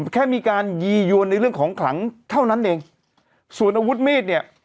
แค่มีการยียวนในเรื่องของขลังเท่านั้นเองส่วนอาวุธมีดเนี่ย